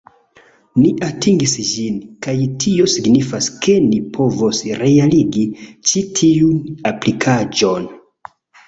Ni atingis ĝin, kaj tio signifas ke ni povos realigi ĉi tiun aplikaĵon